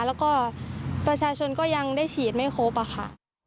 แล้วก็ประชาชนก็ยังได้ฉีดไม่ครบอะค่ะ